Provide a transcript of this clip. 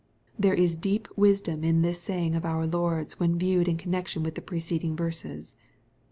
There is deep wisdom in this saying of our Lord's, when viewed in connection with the preceding verses.